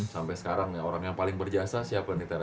sampai sekarang ya orang yang paling berjasa siapa nih tera